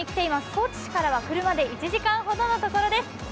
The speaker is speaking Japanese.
高知市からは車で１時間ほどのところです。